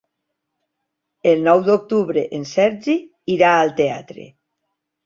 El nou d'octubre en Sergi irà al teatre.